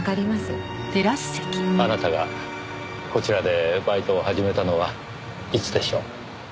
あなたがこちらでバイトを始めたのはいつでしょう？